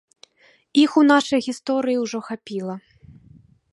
Іх у нашай гісторыі ўжо хапіла.